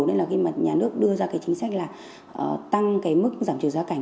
nên là khi mà nhà nước đưa ra cái chính sách là tăng mức giảm chứa ra cảnh